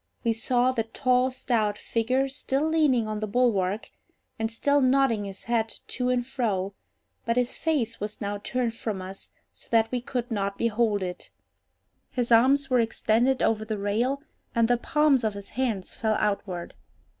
We saw the tall stout figure still leaning on the bulwark, and still nodding his head to and fro, but his face was now turned from us so that we could not behold it. His arms were extended over the rail, and the palms of his hands fell outward.